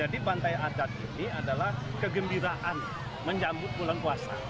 jadi bantai adat ini adalah kegembiraan menjamut pulang puasa